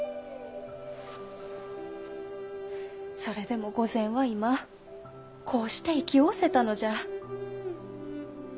それでも御前は今こうして生きおおせたのじゃ。